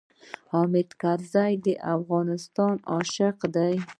حامد کرزی د افغانستان عاشق دی.